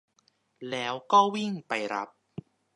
แล้วก็วิ่งไปรับ